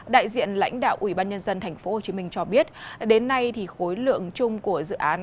đại diện lãnh đạo ủy ban nhân dân tp hcm cho biết đến nay khối lượng chung của dự án